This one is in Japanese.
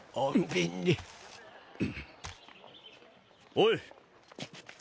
おい。